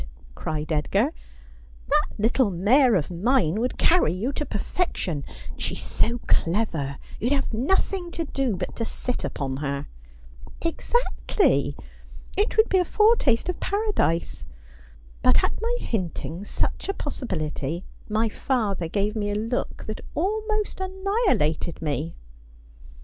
cried Edgar. ' That little mare of mine would carry you to perfection ; and she's so clever you'd have nothing to do but to sit upon her.' ' Exactly. It would be a foretaste of paradise. But at my hinting such a possibility my father gave me a look that almost annihilated me.'